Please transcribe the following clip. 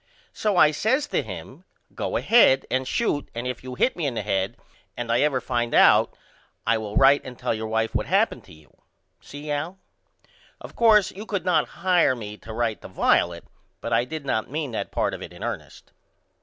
So I says to him Go ahead and shoot and if you hit me in the head and I ever find it out I will write and tell your wife what happened to you. See, Al? Of course you could not hire me to write to Violet but I did not mean that part of it in ernest.